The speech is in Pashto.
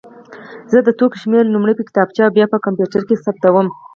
زه د توکو شمېر لومړی په کتابچه او بیا په کمپیوټر کې ثبتوم.